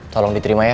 tolong diterima ya